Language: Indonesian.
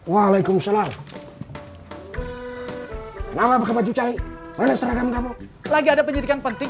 waalaikumsalam nama bapak jucai mana seragam kamu lagi ada penyidikan penting